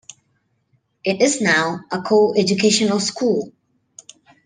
It is now a co-educational school.